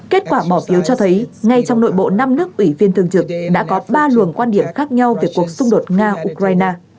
kết quả bỏ phiếu cho thấy ngay trong nội bộ năm nước ủy viên thường trực đã có ba luồng quan điểm khác nhau về cuộc xung đột nga ukraine